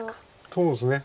そうですね。